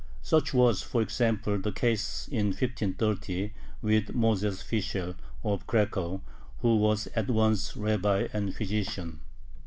Such was, for example, the case in 1530 with Moses Fishel, of Cracow, who was at once rabbi and physician.